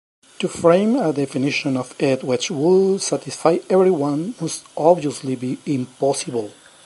To frame a definition of it which would satisfy everyone must obviously be impossible.